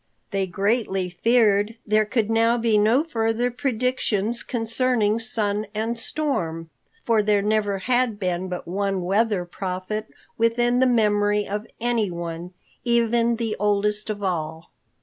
They greatly feared there could now be no further predictions concerning sun and storm, for there never had been but one Weather Prophet within the memory of anyone, even the oldest of all.